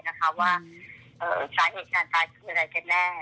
สาเหตุการตายขึ้นอยู่ใดก็แน่